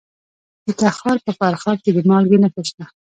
د تخار په فرخار کې د مالګې نښې شته.